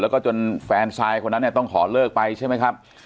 แล้วก็จนแฟนซายคนนั้นต้องขอเลิกใช่มั้ยครับ